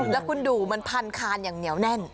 แล้วคุณดูมันพันคานอย่างเหนียวแน่น